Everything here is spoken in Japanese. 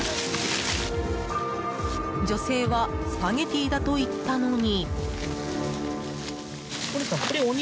女性はスパゲティだと言ったのに。